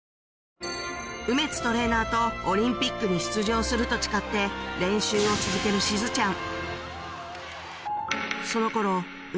梅津トレーナーとオリンピックに出場すると誓って練習を続けるしずちゃん